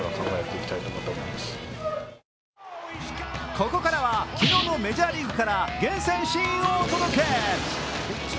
ここからは、昨日のメジャーリーグから厳選シーンをお届け。